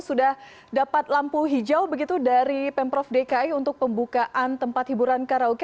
sudah dapat lampu hijau begitu dari pemprov dki untuk pembukaan tempat hiburan karaoke